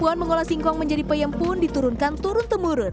kebutuhan mengolah singkong menjadi peyem pun diturunkan turun temurun